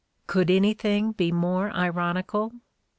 '' Could anything be more ironical